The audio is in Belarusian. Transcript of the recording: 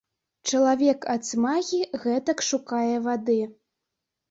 Чалавек ад смагі гэтак шукае вады.